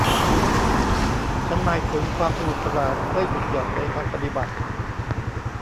ฉันหมายถึงความสนุกสนานไม่หยุดหย่อนในทางปฏิบัติ